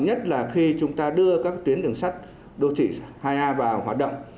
nhất là khi chúng ta đưa các tuyến đường sắt đô thị hai a vào hoạt động